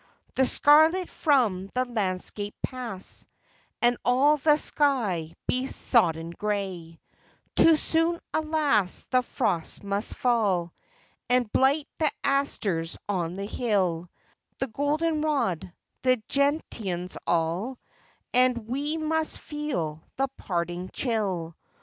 The scarlet from the landscape pass, And all the sky be sodden gray ; Too soon, alas, the frost must fall And blight the asters on the hill, The golden rod, the gentians, all, And we must feel the parting chill.